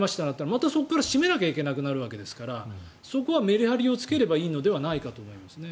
またそこから閉めなきゃいけくなるのでそこはメリハリをつければいいのではないかと思いますね。